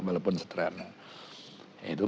walaupun sederhana itu